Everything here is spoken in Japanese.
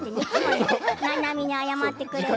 ななみに謝ってくれる。